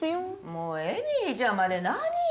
もうえみりちゃんまで何よ。